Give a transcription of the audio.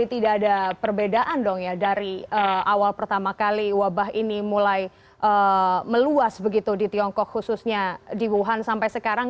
tidak ada perbedaan dong ya dari awal pertama kali wabah ini mulai meluas begitu di tiongkok khususnya di wuhan sampai sekarang